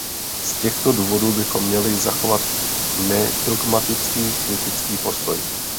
Z těchto důvodů bychom měli zachovávat nedogmatický, kritický postoj.